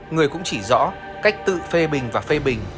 người cũng chỉ rõ cách tự phê bình và phê bình